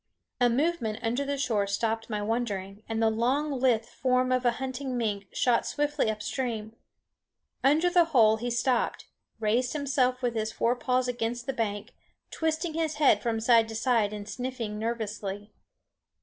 A movement under the shore stopped my wondering, and the long lithe form of a hunting mink shot swiftly up stream. Under the hole he stopped, raised himself with his fore paws against the bank, twisting his head from side to side and sniffing nervously.